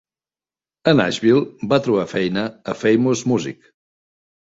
A Nashville, va trobar feina a Famous Music.